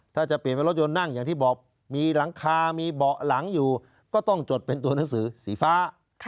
ถ้าจะเปลี่ยนเป็นรถยนต์นั่งอย่างที่บอกมีหลังคามีเบาะหลังอยู่ก็ต้องจดเป็นตัวหนังสือสีฟ้า